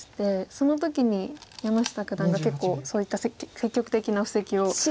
その時に山下九段が結構そういった積極的な布石を。